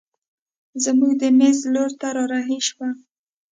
زموږ د مېز لور ته رارهي شوه.